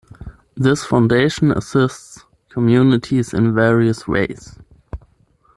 This foundation assists communities in various ways.